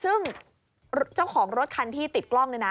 ซึ่งเจ้าของรถคันที่ติดกล้องเนี่ยนะ